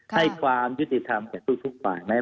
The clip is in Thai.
ให้ความยุติธรรมเก็บสู้ทุกฝ่ายไหม